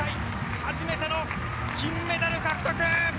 初めての金メダル獲得！